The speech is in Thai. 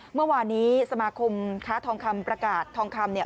เมื่อวานนี้สมาคมค้าทองคำประกาศทองคำเนี่ย